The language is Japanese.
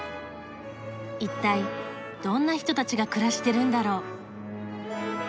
一体どんな人たちが暮らしてるんだろう？